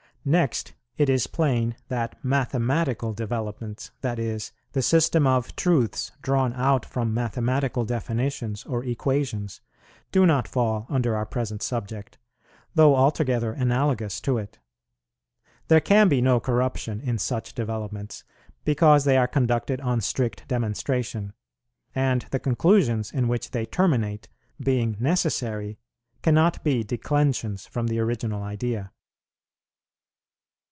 Next, it is plain that mathematical developments, that is, the system of truths drawn out from mathematical definitions or equations, do not fall under our present subject, though altogether analogous to it. There can be no corruption in such developments, because they are conducted on strict demonstration; and the conclusions in which they terminate, being necessary, cannot be declensions from the original idea.